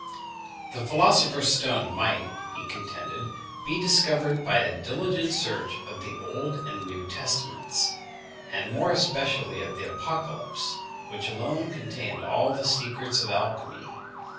The philosopher's stone might, he contended, be discovered by a diligent search of the Old and New Testaments, and more especially of the Apocalypse, which alone contained all the secrets of alchymy.